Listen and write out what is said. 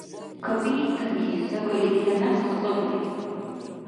Кабиибтани сагали дила някъ цӀацӀабариб.